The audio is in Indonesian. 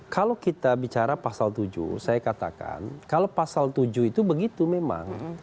kalau kita bicara pasal tujuh saya katakan kalau pasal tujuh itu begitu memang